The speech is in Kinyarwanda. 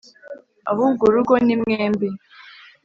ahubwo urugo ni mwembi